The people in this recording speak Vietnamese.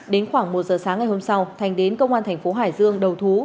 đến khoảng một giờ sáng ngày hôm sau thành đến công an tp hcm đầu thú